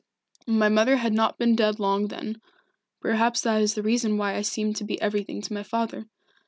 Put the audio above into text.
My mother had not been dead long then perhaps that is the reason why I seemed to be everything to my father.